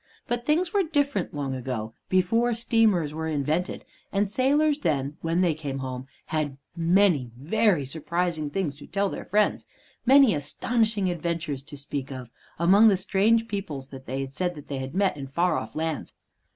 But things were different long ago, before steamers were invented; and sailors then, when they came home, had many very surprising things to tell their friends, many astonishing adventures to speak of, among the strange peoples that they said they had met in far off lands.